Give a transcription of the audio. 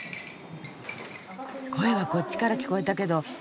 声はこっちから聞こえたけど。